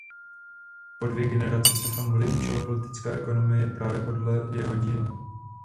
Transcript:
Po dvě generace se v Anglii učila politická ekonomie právě podle jeho díla.